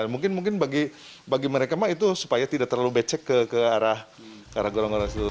mungkin mungkin bagi mereka mah itu supaya tidak terlalu becek ke arah golong golong